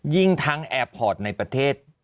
ยิ่งทั้งแอร์พอร์ตในประเทศ